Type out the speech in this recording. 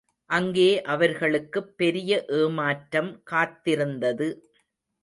அங்கே அவர்களுக்குப் பெரிய ஏமாற்றம் காத்திருந்தது.